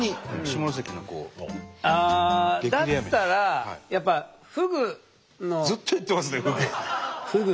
ああだったらやっぱずっと言ってますねふぐ。